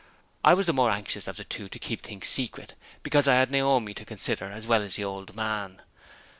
I was the more anxious of the two to keep things secret, because I had Naomi to consider as well as the old man.